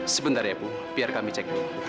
sebentar ya bu biar kami cek dulu